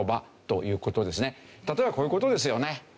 例えばこういう事ですよね。